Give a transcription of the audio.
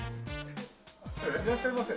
いらっしゃいませ。